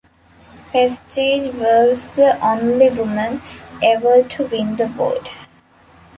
Prestedge was the only woman ever to win the award.